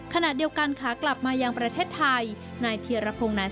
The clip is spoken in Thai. การเดินทางไปรับน้องมินครั้งนี้ทางโรงพยาบาลเวทธานีไม่มีการคิดค่าใช้จ่ายใด